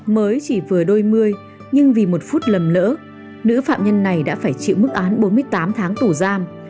mới chỉ vừa đôi mươi nhưng vì một phút lầm lỡ nữ phạm nhân này đã phải chịu mức án bốn mươi tám tháng tù giam